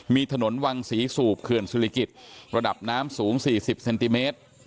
มีถนนวังศรีสูบเขื่อนศิริกิจระดับน้ำสูง๔๐เซนติเมตร